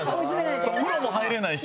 そう風呂も入れないし。